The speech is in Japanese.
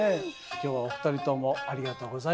今日はお二人ともありがとうございました。